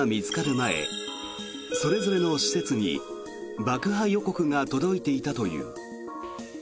前それぞれの施設に爆破予告が届いていたという。